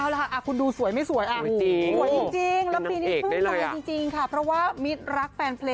แล้วใบ้ว่าเหาะมือ